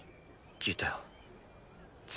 聞いたよ。